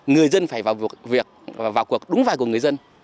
người dân phải vào cuộc đúng vai của người dân